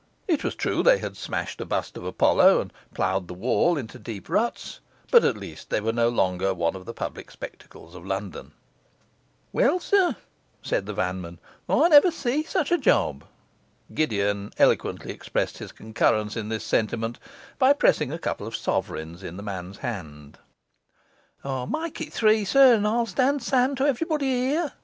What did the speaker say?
It was true they had smashed a bust of Apollo and ploughed the wall into deep ruts; but, at least, they were no longer one of the public spectacles of London. 'Well, sir,' said the vanman, 'I never see such a job.' Gideon eloquently expressed his concurrence in this sentiment by pressing a couple of sovereigns in the man's hand. 'Make it three, sir, and I'll stand Sam to everybody here!